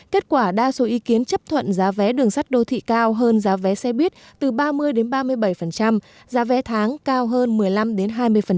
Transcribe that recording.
kết quả đa số ý kiến chấp thuận giá vé đường sắt đô thị cao hơn giá vé xe buýt từ ba mươi đến ba mươi bảy giá vé tháng cao hơn một mươi năm hai mươi